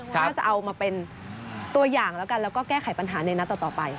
ก็จะเอามาเป็นตัวอย่างแล้วกันแล้วก็แก้ไขปัญหาในนัดต่อไป